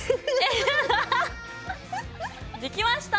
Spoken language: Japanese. できました！